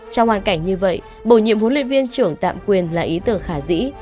trong hoàn cảnh như vậy bổ nhiệm huấn luyện viên trưởng tạm quyền là ý tưởng khả dĩ